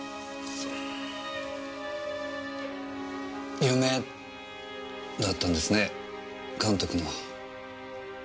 夢だったんですね監督の。